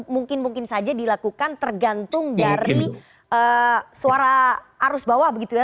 mungkin mungkin saja dilakukan tergantung dari suara arus bawah begitu ya